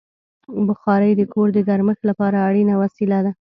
بخاري د کور د ګرمښت لپاره اړینه وسیله ده.